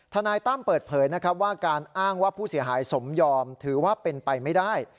นายตั้มเปิดเผยนะครับว่าการอ้างว่าผู้เสียหายสมยอมถือว่าเป็นไปไม่ได้